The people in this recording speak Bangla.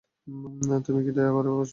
তুমি কি দয়া করে বসবে?